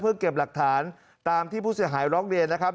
เพื่อเก็บหลักฐานตามที่ผู้เสียหายร้องเรียนนะครับ